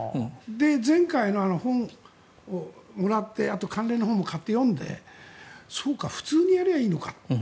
前回の本をもらってあと、関連の本も買って読んでそうか普通にやりゃいいのかと。